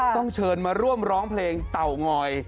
ต้องเชิญมาร่วมร้องเพลงเต่างอย